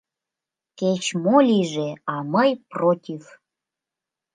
Кеч-мо лийже, а мый против!..